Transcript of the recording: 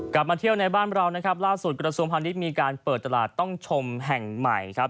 กลับมาเที่ยวในบ้านเรานะครับล่าสุดกระทรวงพาณิชย์มีการเปิดตลาดต้องชมแห่งใหม่ครับ